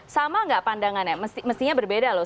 sama nggak pandangannya mestinya berbeda loh